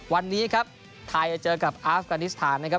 วันนี้ครับไทยจะเจอกับอาฟกานิสถานนะครับ